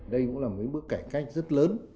đây cũng là một bước cải cách rất lớn